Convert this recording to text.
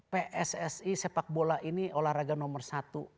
pssi sepak bola ini olahraga nomor satu